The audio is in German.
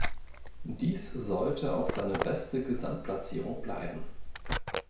Dies sollte auch seine beste Gesamtplatzierung bleiben.